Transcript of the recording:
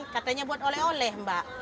katanya buat oleh oleh mbak